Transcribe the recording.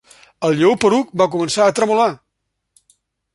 El Lleó Poruc va començar a tremolar.